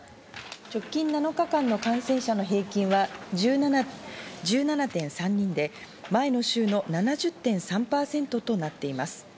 直近７日間の感染者の平均は１７．３人で、前の週の７０．３％となっています。